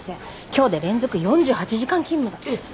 今日で連続４８時間勤務だってさ。